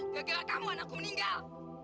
gak gara kamu anakku meninggal